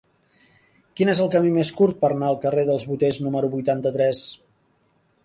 Quin és el camí més curt per anar al carrer dels Boters número vuitanta-tres?